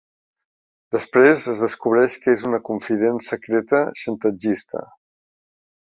Després es descobreix que és una confident secreta xantatgista.